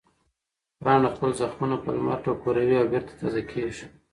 پاڼه خپل زخمونه په لمر ټکوروي او بېرته تازه کېږي.